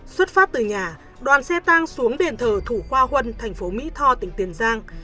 xuất phát từ nhà đoàn xe tang xuống đền thờ thủ khoa huân thành phố mỹ tho tỉnh tiền giang